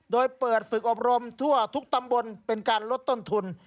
โดยเปิดฝึกอบรมทั่วทุกตำบลเป็นการลดต้นทุน